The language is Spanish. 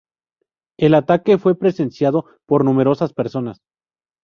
El ataque fue presenciado por numerosas personas.